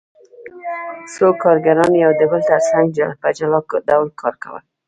څو کارګرانو یو د بل ترڅنګ په جلا ډول کار کاوه